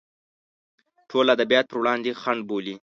ټول ادبیات پر وړاندې خنډ بولي.